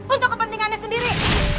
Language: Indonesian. untuk kepentingannya sendiri